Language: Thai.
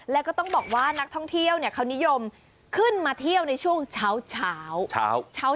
แล้วก็ต้องบอกว่านักท่องเที่ยวเขานิยมขึ้นมาเที่ยวในช่วงเช้า